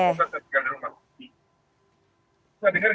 gak denger gak